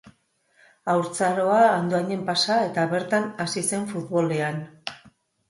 Haurtzaroa Andoainen pasa eta bertan hasi zen futbolean.